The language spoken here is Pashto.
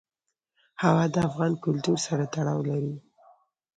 هوا د افغان کلتور سره تړاو لري.